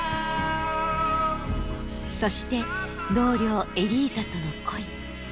そして同僚エリーザとの恋。